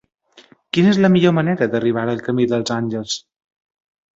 Quina és la millor manera d'arribar al camí dels Àngels?